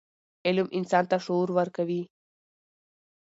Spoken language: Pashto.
علم انسان ته شعور ورکوي.